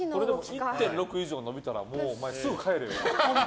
１．６以上伸びたらもうすぐ帰れよ。